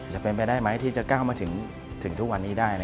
จะเป็นไปได้ไหมที่จะก้าวมาถึงทุกวันนี้ได้